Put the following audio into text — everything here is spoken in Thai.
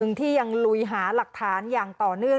ที่ยังลุยหาหลักฐานอย่างต่อเนื่อง